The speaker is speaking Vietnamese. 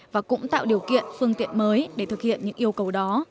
và cũng tạo điều kiện phương tiện mới để thực hiện những yêu cầu đó